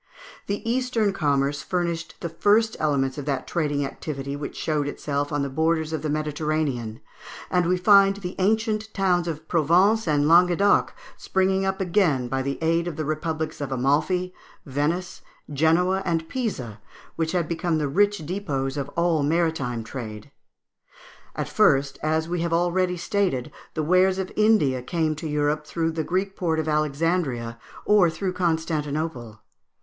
The Eastern commerce furnished the first elements of that trading activity which showed itself on the borders of the Mediterranean, and we find the ancient towns of Provence and Languedoc springing up again by the aide of the republics of Amalfi, Venice, Genoa, and Pisa, which had become the rich depôts of all maritime trade. At first, as we have already stated, the wares of India came to Europe through the Greek port of Alexandria, or through Constantinople.